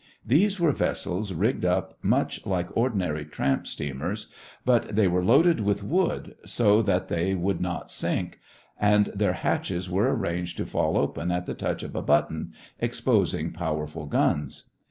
These were vessels rigged up much like ordinary tramp steamers, but they were loaded with wood, so that they would not sink, and their hatches were arranged to fall open at the touch of a button, exposing powerful guns.